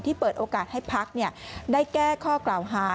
เปิดโอกาสให้พักได้แก้ข้อกล่าวหา